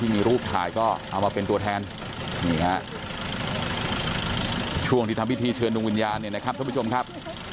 นี่ฮะช่วงที่ทำวิธีเชิญลงวิญญาณเนี่ยนะครับท่านผู้ชมครับ